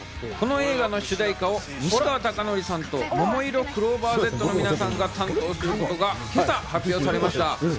この映画の主題歌を西川貴教さんと、ももいろクローバーＺの皆さんが担当することが今朝、発表されました。